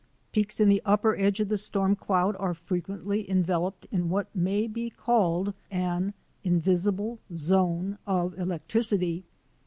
Peaks in the upper edge of the storm cloud are frequently enveloped in what may be called an invisible zone of electricity.